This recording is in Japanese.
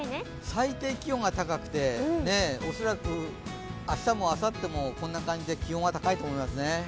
最低気温が高くて恐らく明日もあさってもこんな感じで気温は高いと思いますね。